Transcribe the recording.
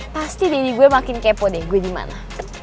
pasti diri gue makin kepo deh gue gimana